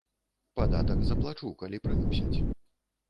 Падатак заплачу, калі прымусяць.